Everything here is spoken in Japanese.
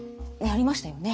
ありましたよね？